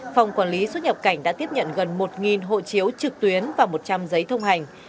phòng quản lý xuất nhập cảnh đã tiếp nhận gần một hộ chiếu trực tuyến và một trăm linh giấy thông hành